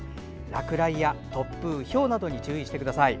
落雷や突風、ひょうなどに注意してください。